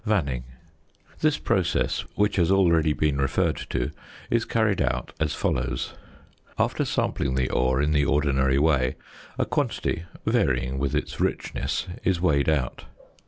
VANNING. This process, which has already been referred to, is carried out as follows: After sampling the ore in the ordinary way, a quantity (varying with its richness) is weighed out.